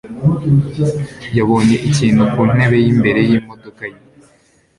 yabonye ikintu ku ntebe yimbere yimodoka ye.